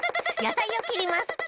やさいをきります！